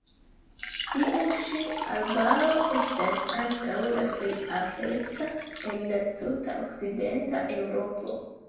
Tiu ĉi arbaro estas ankaŭ la plej ampleksa el la tuta okcidenta Eŭropo.